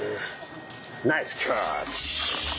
ナイスキャッチ。